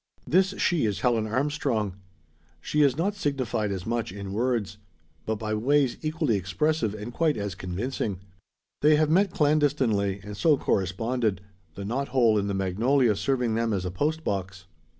This she is Helen Armstrong. She has not signified as much, in words; but by ways equally expressive, and quite as convincing. They have met clandestinely, and so corresponded; the knot hole in the magnolia serving them as a post box.